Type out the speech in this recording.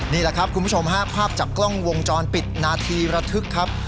นี่แหละครับคุณผู้ชมฮะภาพจากกล้องวงจรปิดนาทีระทึกครับ